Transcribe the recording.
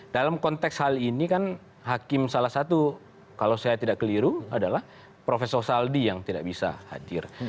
dalam konteks hal ini kan hakim salah satu kalau saya tidak keliru adalah profesor saldi yang tidak bisa hadir